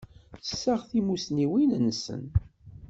Tessaɣ timussniwin nsen.